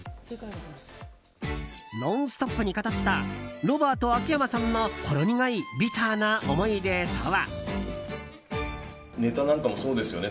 「ノンストップ！」に語ったロバート秋山さんのほろ苦いビターな思い出とは。